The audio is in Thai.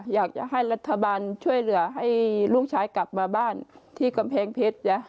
อยากจะให้รัฐบาลช่วยเหลือให้ลูกชายกลับมาบ้านที่กำแพงเพชรจ้ะ